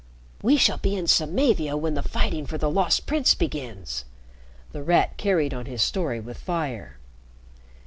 "We shall be in Samavia when the fighting for the Lost Prince begins." The Rat carried on his story with fire.